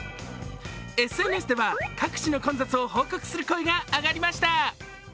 ＳＮＳでは各地の混雑を報告する声が上がりました。